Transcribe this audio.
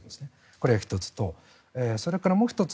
これが１つとそれからもう１つ